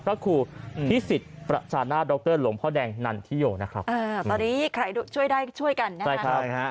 พระครูพิสิทธิ์ประชานาศดรหลวงพ่อแดงนันทิโยน่ะครับ